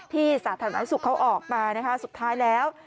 สาธารณสุขเขาออกมานะคะสุดท้ายแล้ว